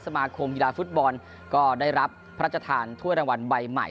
สมาคมกีฬาฟุตบอลก็ได้รับพระราชทานถ้วยรางวัลใบใหม่